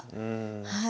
はい。